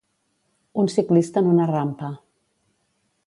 Un ciclista en una rampa.